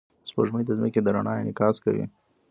سپوږمۍ د ځمکې د رڼا انعکاس کوي